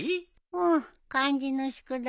うん漢字の宿題。